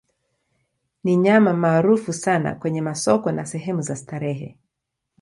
Ni nyama maarufu sana kwenye masoko na sehemu za starehe.